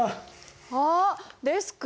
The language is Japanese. ああデスク